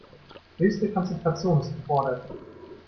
Höchste Konzentration ist gefordert.